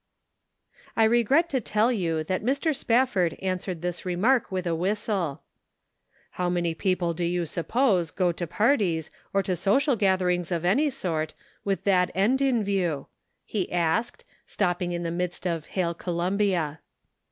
I regret to tell you that Mr. Spafford an swered this remark with a whistle. The Social Problem. 103 " How many people do you suppose go to parties, or to social gatherings of any sort, with that end in view ?" he asked, stopping in the midst of " Hail Columbia."